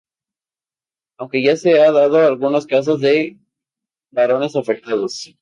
Aunque ya se han dado algunos casos de varones afectados.